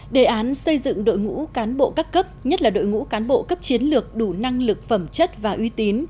đề án xây dựng đội ngũ cán bộ các cấp nhất là đội ngũ cán bộ cấp chiến lược đủ năng lực phẩm chất và uy tín